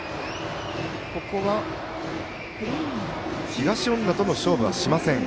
ここは東恩納との勝負はしません。